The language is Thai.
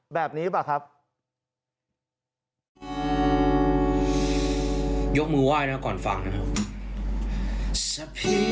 แบบนี้หรือเปล่าครับ